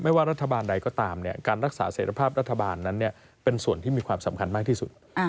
ว่ารัฐบาลใดก็ตามการรักษาเสร็จภาพรัฐบาลนั้นเป็นส่วนที่มีความสำคัญมากที่สุด